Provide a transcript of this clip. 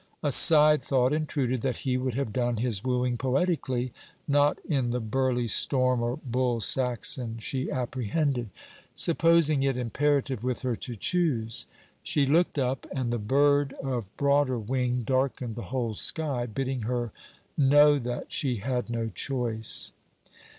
A sidethought intruded, that he would have done his wooing poetically not in the burly storm, or bull Saxon, she apprehended. Supposing it imperative with her to choose? She looked up, and the bird of broader wing darkened the whole sky, bidding her know that she had no choice.